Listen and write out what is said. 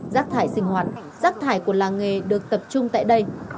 rác thải sinh hoạt rác thải của làng nghề được tập trung tại đây